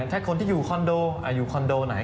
ถ้าคนที่อยู่คอนโดอยู่คอนโดไหน